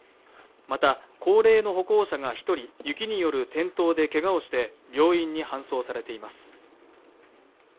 また高齢の歩行者が一人雪による転倒でけがをして病院に搬送されています